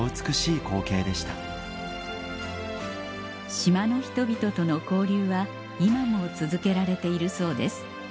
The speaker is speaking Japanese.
島の人々との交流は今も続けられているそうです